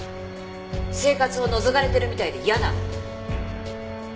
生活をのぞかれてるみたいで嫌なの。